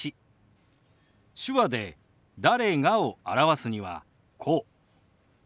手話で「誰が」を表すにはこう。